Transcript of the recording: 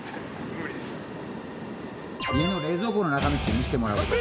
家の冷蔵庫の中身って見せてもらう事。